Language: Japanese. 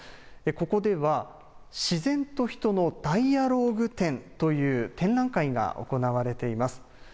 ここでは自然と人のダイアローグ展という展覧会が行われています。